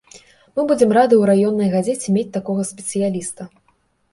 Мы будзем рады ў раённай газеце мець такога спецыяліста.